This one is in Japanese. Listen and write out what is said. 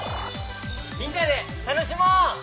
みんなでたのしもう！